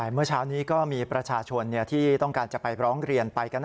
เมื่อเช้านี้ก็มีประชาชนที่ต้องการจะไปร้องเรียนไปกัน